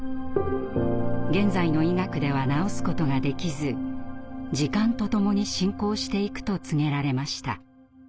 現在の医学では治すことができず時間とともに進行していくと告げられました。